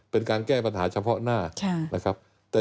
เป็นการแก้ปัญหาเฉพาะหน้าแต่อย่างลืมว่า